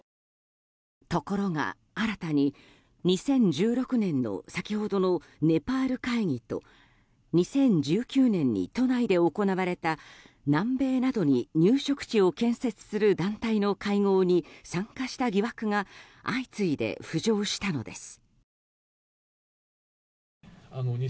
ところが新たに、２０１６年の先ほどのネパール会議と２０１９年に都内で行われた南米などに入植地を建設する団体の会合に参加した疑惑が相次いで浮上したのです。